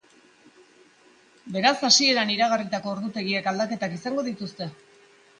Beraz, hasieran iragarritako ordutegiek aldaketak izango dituzte.